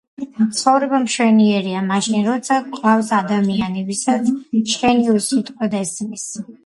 ცხობრება მშვენიერია მაშინ, როცა გყავს ადამიანი, ვისაც შენი უსიტყვოდ ესმის